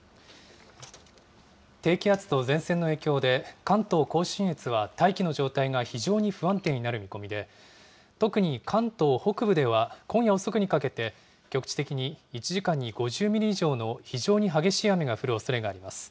低気圧と前線の影響で、関東甲信越は大気の状態が非常に不安定になる見込みで、特に関東北部では、今夜遅くにかけて、局地的に１時間に５０ミリ以上の非常に激しい雨が降るおそれがあります。